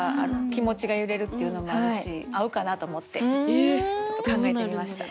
気持ちが揺れるっていうのもあるし合うかなと思ってちょっと考えてみました。